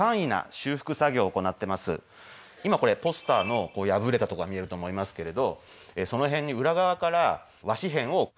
今これポスターの破れたとこが見えると思いますけれどその辺に裏側から和紙片を貼ってですね